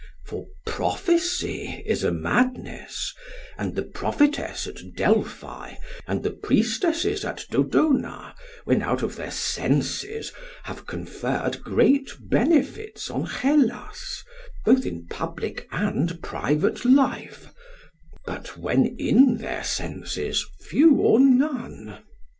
For prophecy is a madness, and the prophetess at Delphi and the priestesses at Dodona when out of their senses have conferred great benefits on Hellas, both in public and private life, but when in their senses few or none.